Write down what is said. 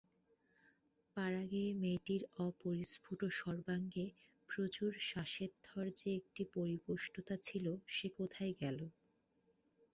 পাড়াগেঁয়ে মেয়েটির অপরিস্ফুট সর্বাঙ্গে প্রচুর স্বাসেথ্যর যে একটি পরিপুষ্টতা ছিল, সে কোথায় গেল?